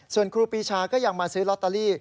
ส่วนครูปีชาก็ยังมาซื้อลอตเตอรี่